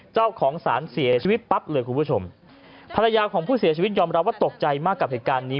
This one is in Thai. เจ้าของสารเสียชีวิตปั๊บเลยคุณผู้ชมภรรยาของผู้เสียชีวิตยอมรับว่าตกใจมากกับเหตุการณ์นี้